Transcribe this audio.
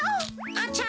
あちゃ！